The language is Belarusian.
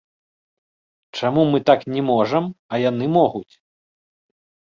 Чаму мы так не можам, а яны могуць?